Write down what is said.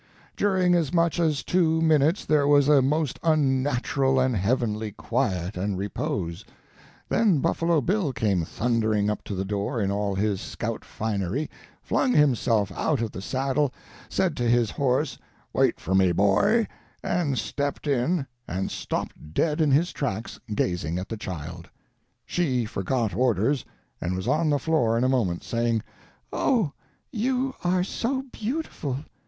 During as much as two minutes there was a most unnatural and heavenly quiet and repose, then Buffalo Bill came thundering up to the door in all his scout finery, flung himself out of the saddle, said to his horse, "Wait for me, Boy," and stepped in, and stopped dead in his tracks—gazing at the child. She forgot orders, and was on the floor in a moment, saying: "Oh, you are so beautiful!